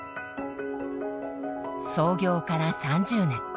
創業から３０年。